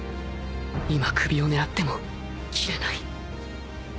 今首を狙っても斬れない